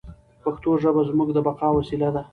پښتو ژبه زموږ د بقا وسیله ده.